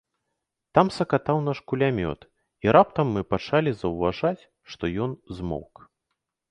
Там сакатаў наш кулямёт, і раптам мы пачалі заўважаць, што ён змоўк.